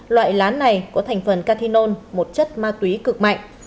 loại lán này có thành phần catinone một chất ma túy cực mạnh